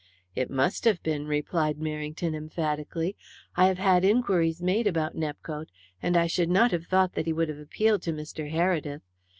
"It must have been," replied Merrington emphatically. "I have had inquiries made about Nepcote, and I should not have thought he would have appealed to Mr. Heredith.